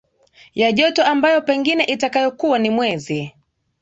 ya joto ambayo pengine itakayokuwa ni mwezi